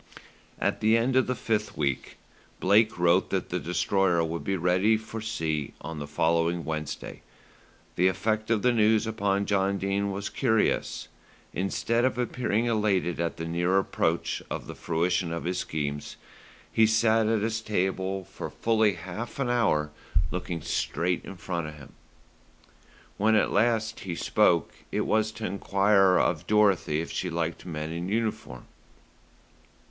At the end of the fifth week Blake wrote that the Destroyer would be ready for sea on the following Wednesday. The effect of the news upon John Dene was curious. Instead of appearing elated at the near approach of the fruition of his schemes, he sat at his table for fully half an hour looking straight in front of him. When at last he spoke, it was to enquire of Dorothy if she liked men in uniform.